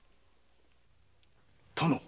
殿！